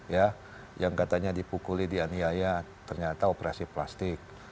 ya yang katanya dipukuli di aniaya ternyata operasi plastik